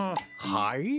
はい？